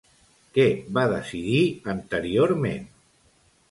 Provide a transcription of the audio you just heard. Què va decidir anteriorment?